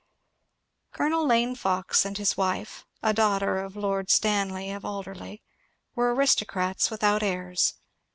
Colonel Lane Fox and his wife (a daughter of Lord Stan ley of Alderley) were aristocrats without airs.